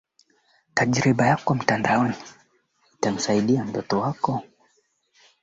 Kristo ameona unyonge wangu